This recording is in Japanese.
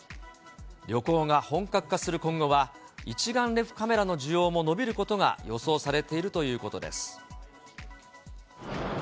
旅行が本格化する今後は、一眼レフカメラの需要が伸びることが予想されているということです。